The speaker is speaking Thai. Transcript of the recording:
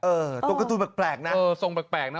เออตัวกาตูแบกน่ะเออชมแปลงนะ